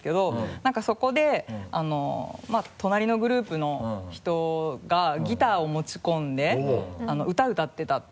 なんかそこで隣のグループの人がギターを持ち込んで歌歌ってたって。